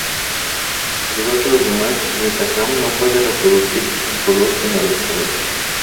Al igual que los demás Betacam, no puede reproducir en color sin adaptador.